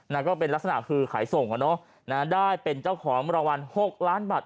ก็เป็นลักษณะคือขายส่งอ่ะเนอะได้เป็นเจ้าของรางวัล๖ล้านบาท